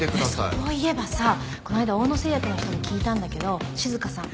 ねえそういえばさこの間オオノ製薬の人に聞いたんだけど静さん